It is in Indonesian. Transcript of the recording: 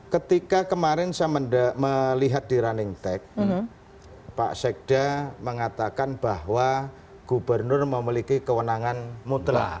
ketika kemarin saya melihat di running tech pak sekda mengatakan bahwa gubernur memiliki kewenangan mutlak